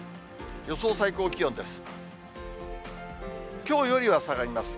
予想最高気温です。